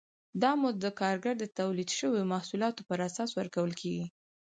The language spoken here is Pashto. دا مزد د کارګر د تولید شویو محصولاتو پر اساس ورکول کېږي